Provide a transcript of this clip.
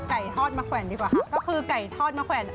ทอดมะแขวนดีกว่าค่ะก็คือไก่ทอดมะแขวน